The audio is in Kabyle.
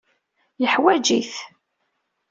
Yeḥwaj-it.